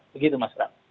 begitu mas rad